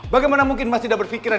bagaimana mungkin mas tidak berpikiran